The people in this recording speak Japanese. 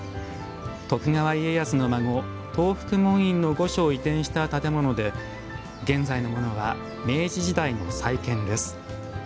徳川家康の孫東福門院の御所を移転した建物で現在のものは明治時代の再建です。